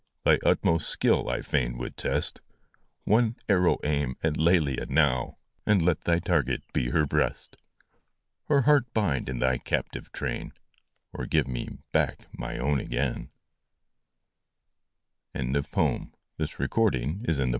Thy utmost skill I fain would test ; One arrow aim at Lelia now, And let thy target be her breast ! Her heart bind in thy captive train, Or give me back my own again 1 THE DREAM OF LOVE.